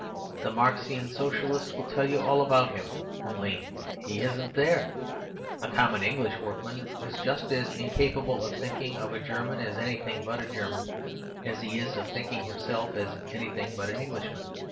The Marxian Socialists will tell you all about him; only he isn't there. A common English workman is just as incapable of thinking of a German as anything but a German as he is of thinking of himself as anything but an Englishman.